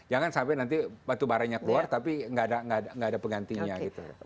jangan sampai nanti batu baranya keluar tapi nggak ada penggantinya gitu